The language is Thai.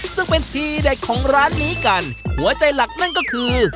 ซึ่งเป็นทีเด็ดของร้านนี้กันหัวใจหลักนั่นก็คือ